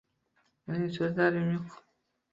Uning ko`zlari yumuq